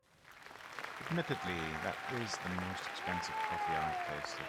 Admittedly, that is the most expensive coffee I’ve tasted.